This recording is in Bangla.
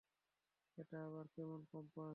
এটা আবার কেমন কম্পাস।